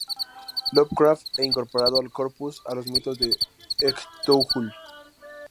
Lovecraft e incorporado al "corpus" a los "Mitos de Cthulhu".